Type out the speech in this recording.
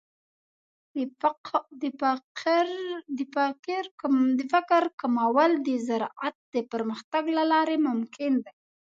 د فقر کمول د زراعت د پرمختګ له لارې ممکن دي.